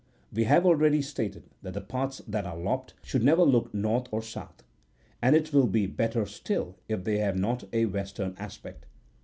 "We have already68 stated that the parts that are lopped should never look north or south : and it will be better still, if they have not a western aspect.